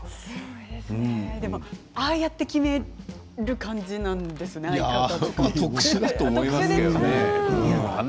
ああやって決める感じなんですね、相方とかって。